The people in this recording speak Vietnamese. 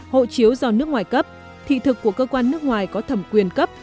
hộ chiếu do nước ngoài cấp thị thực của cơ quan nước ngoài có thẩm quyền cấp